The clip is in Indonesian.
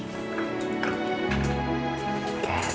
kacke kita mencoba dengan kendaraan arrivalsi